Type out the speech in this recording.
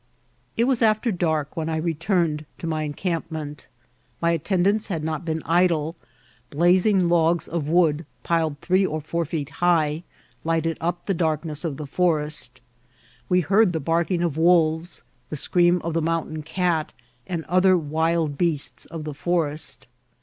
It was after dark when I returned to my encamp* ment. My attendants had not been idle ; blazing logs of wood, piled three or four feet high, lighted up the darkness of the forest. We heard the barking of wolvesi the scream of the mountain >cat, and other wild beasts of the forest.